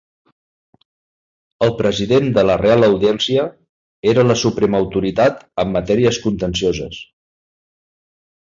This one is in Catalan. El president de la Reial Audiència, era la suprema autoritat en matèries contencioses.